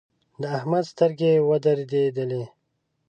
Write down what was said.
د احمد سترګې ودرېدلې.